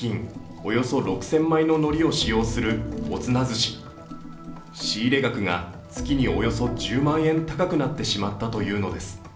およそ６０００枚ののりを使用するおつな寿司仕入れ額が月におよそ１０万円高くなってしまったというのです。